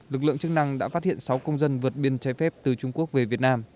lực lượng chức năng đã phát hiện sáu công dân vượt biên trái phép từ trung quốc về việt nam